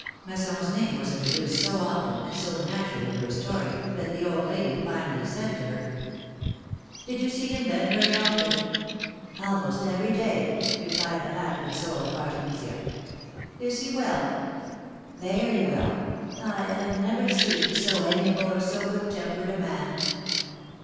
Masson's name was introduced so often, and so naturally in her story, that the old lady finally said to her : ^^Did you see him, then, very often?" ^^Almost every day," replied the half consoled Arte mesia. Is he well?" Very well ; I have never seen so amiable or so good tempered a man."